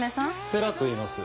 星来といいます。